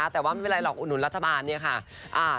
แต่ว่าไม่เป็นไรหรอกอุดหนุนรัฐบาลเนี่ยค่ะ